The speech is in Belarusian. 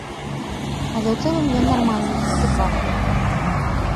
Але ў цэлым ён нармальны, адэкватны.